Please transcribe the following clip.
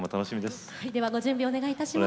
ではご準備お願いいたします。